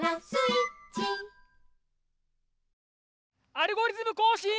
「アルゴリズムこうしん」！